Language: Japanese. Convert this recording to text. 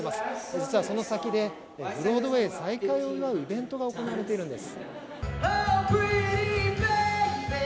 実はその先で、ブロードウェイ再開を祝うイベントが行われているんです。